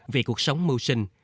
vì cuộc sống mưu sinh